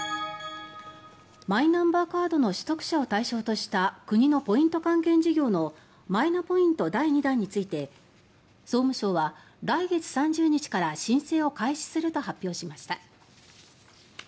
マイナンバーカードの取得者を対象とした国のポイント還元事業のマイナポイント第２弾について総務省は来月３０日から申請を開始すると発表しました。